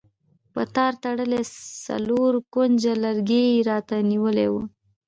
په تار تړلی څلور کونجه لرګی یې راته نیولی و.